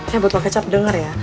eh botol kecap denger ya